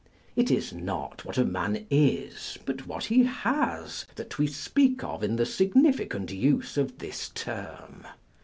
It is not what a man is, but what he has, that we speak of in the significant use of this term.